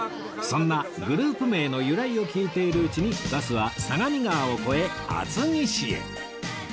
そんなグループ名の由来を聞いているうちにバスは相模川を越え厚木市へ